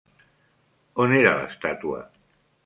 On era l'estàtua?